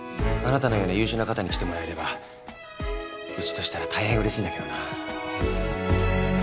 あなたのような優秀な方に来てもらえればうちとしたら大変うれしいんだけどな。